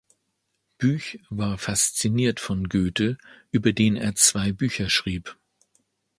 Büch war fasziniert von Goethe, über den er zwei Bücher schrieb.